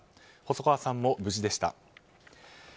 細川さんも無事でした。